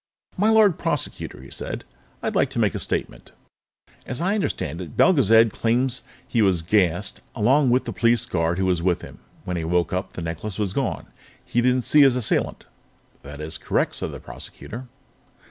"My Lord Prosecutor," he said, "I'd like to make a statement. As I understand it, Belgezad claims he was gassed, along with a police guard who was with him. When he woke up, the necklace was gone. He didn't see his assailant." "That is correct," said the Prosecutor.